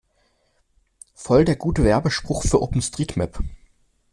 Voll der gute Werbespruch für OpenStreetMap!